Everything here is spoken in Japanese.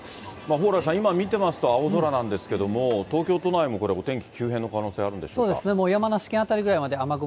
蓬莱さん、今見てますと青空なんですけれども、東京都内もこれ、お天気急変の可能性があるんでしょうか。